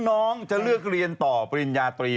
น้องจะเลือกเรียนต่อปริญญาตรี